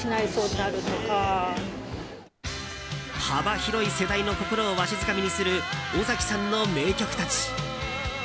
幅広い世代の心をわしづかみにする尾崎さんの名曲たち。